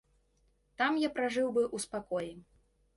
Там я пражыў бы ў спакоі.